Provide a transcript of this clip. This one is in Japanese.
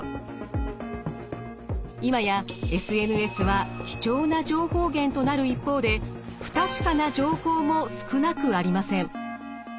今やＳＮＳは貴重な情報源となる一方で不確かな情報も少なくありません。